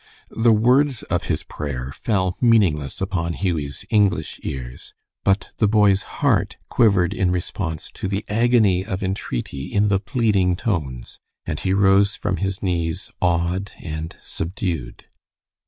The words of his prayer fell meaningless upon Hughie's English ears, but the boy's heart quivered in response to the agony of entreaty in the pleading tones, and he rose from his knees awed and subdued.